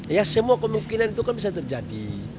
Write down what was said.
ya semua kemungkinan itu kan bisa terjadi